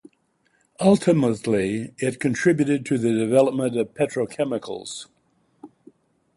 Ultimately, it contributed to the development of petrochemicals.